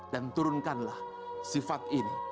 dan turunkanlah sifat ini